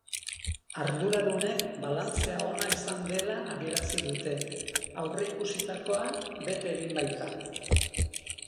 Arduradunek balantzea ona izan dela adierazi dute, aurreikusitakoa bete egin baita.